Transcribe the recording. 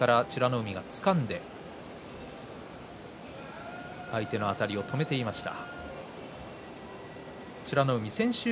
海がつかんで相手のあたりを止めていました。